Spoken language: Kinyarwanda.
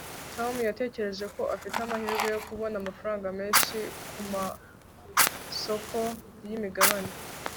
tom yatekereje ko afite amahirwe yo kubona amafaranga menshi kumasoko yimigabane